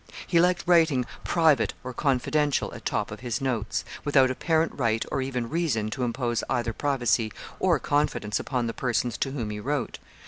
He liked writing private or confidential at top of his notes, without apparent right or even reason to impose either privacy or confidence upon the persons to whom he wrote.